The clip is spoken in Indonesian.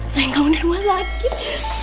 sayang kamu di rumah sakit